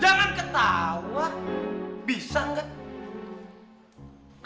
jangan ketawa bisa kak